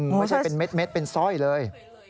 ไม่ใช่เป็นเม็ดเป็นสร้อยเลย